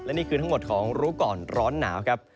นี่คือทั้งหมดของรู้ก่อนร้อนหนาวครับ